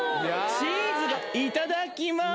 チーズがいただきます